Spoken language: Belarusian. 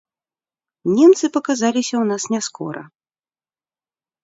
Немцы паказаліся ў нас няскора.